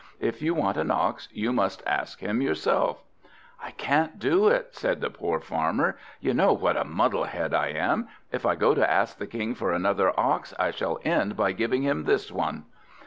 If you want an ox, you must ask him yourself." "I can't do it!" said the poor Farmer. "You know what a muddle head I am. If I go to ask the King for another ox, I shall end by giving him this one!"